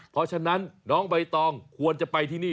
เพราะฉะนั้นน้องใบตองควรจะไปที่นี่